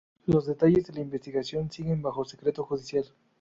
Los detalles de la investigación siguen bajo secreto judicial.